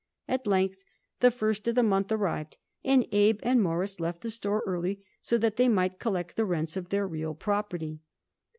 At length, the first of the month arrived and Abe and Morris left the store early so that they might collect the rents of their real property.